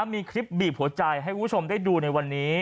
มีคลิปบีบหัวใจให้คุณผู้ชมได้ดูในวันนี้